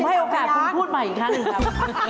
เราให้โอกาสคุณพูดใหม่อีกครั้งเลย